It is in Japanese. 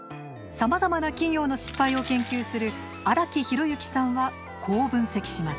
さまざまな企業の失敗を研究する荒木博行さんはこう分析します。